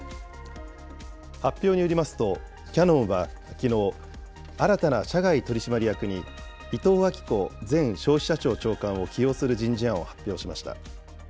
発表によりますと、キヤノンはきのう、新たな社外取締役に、伊藤明子前消費者庁長官を起用する人事案を発表しました。